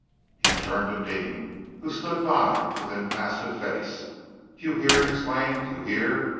He turned to Deane, who stood by with impassive face. "You hear?" he exclaimed. "You hear?